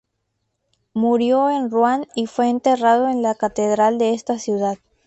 Murió en Ruan y fue enterrado en la catedral de esta ciudad.